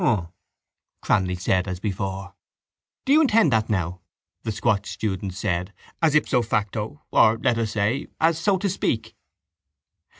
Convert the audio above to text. —Um, Cranly said as before. —Do you intend that now, the squat student said, as ipso facto or, let us say, as so to speak?